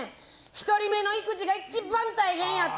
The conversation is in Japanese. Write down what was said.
１人目の育児が一番大変やった。